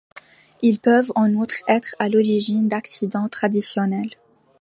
Ils peuvent en outre être à l’origine d’accidents traditionnels.